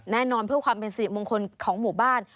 แน่นอนเพื่อความเป็นสิริมงคลของหมู่บ้าน